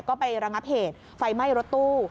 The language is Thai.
ก็ไประงับเหตุไฟไหม้รถตู้